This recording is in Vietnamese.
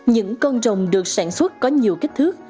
những con rồng được sản xuất có nhiều kích thước